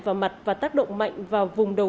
vào mặt và tác động mạnh vào vùng đầu